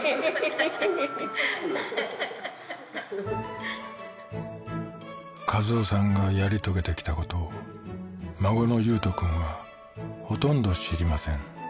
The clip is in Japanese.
ハハハ一男さんがやり遂げてきたことを孫の悠人くんはほとんど知りません